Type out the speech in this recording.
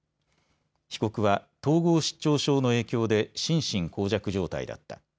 被告は統合失調症の影響で心神耗弱状態だった。